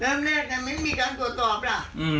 แล้วไม่มีอยู่มันทำแบบนี้เห็นป่ะ